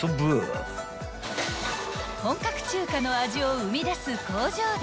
［本格中華の味を生み出す］